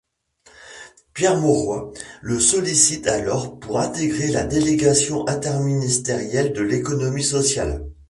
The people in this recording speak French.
Pierre Mauroy le sollicite alors pour intégrer la délégation interministérielle de l'économie sociale.